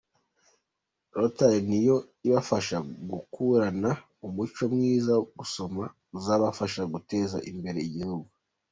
Rotary ni yo ibafasha gukurana umuco mwiza wo gusoma uzabafasha guteza imbere igihugu.